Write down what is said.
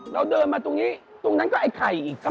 แล้วเดินมาตรงนี้ตรงนั้นก็ไอ้ไข่อีกครับ